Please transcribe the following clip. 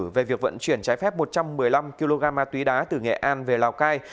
về việc vận chuyển trái phép một trăm một mươi năm kg ma túy đá từ nghệ an về lào cai